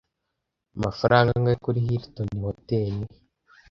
Amafaranga angahe kuri Hilton Hotel?